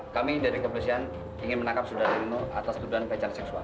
kami dari kepolisian ingin menangkap saudara ini atas tuduhan pecah seksual